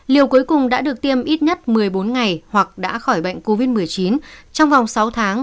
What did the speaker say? liều cuối cùng đã được tiêm ít nhất một mươi bốn ngày hoặc đã khỏi bệnh covid một mươi chín trong vòng sáu tháng